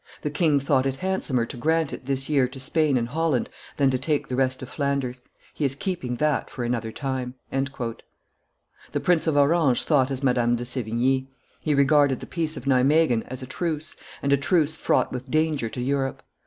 "The king thought it handsomer to grant it this year to Spain and Holland than to take the rest of Flanders; he is keeping that for another time." The Prince of Orange thought as Madame de Seigne: he regarded the peace of Nimeguen as a truce, and a truce fraught with danger to Europe.